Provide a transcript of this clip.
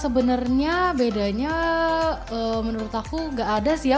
sebenarnya bedanya menurut aku nggak ada sih ya